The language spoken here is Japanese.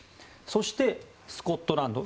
そして、スコットランド。